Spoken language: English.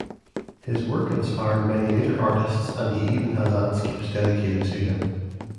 His work inspired many later artists and he even had landscapes dedicated to him.